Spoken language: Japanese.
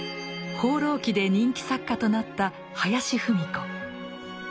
「放浪記」で人気作家となった林芙美子。